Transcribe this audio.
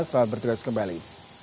selamat bertugas kembali